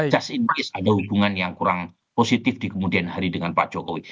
just in list ada hubungan yang kurang positif di kemudian hari dengan pak jokowi